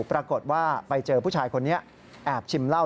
ปรากฏว่าไปเจอผู้ชายคนนี้แอบชิมเหล้า